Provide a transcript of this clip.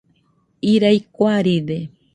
Irai kuaride.